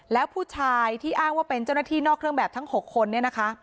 แล้วผู้ชายที่อ้างว่าเป็นเจ้าหน้าที่นอกเครื่องแบบทั้ง๖คนเนี่ยนะคะ